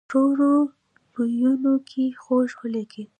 په تروو بويونو کې خوږ ولګېد.